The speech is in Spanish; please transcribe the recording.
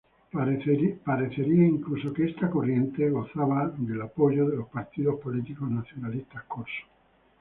Parecería incluso que esta corriente goce del apoyo de los partidos políticos nacionalistas corsos.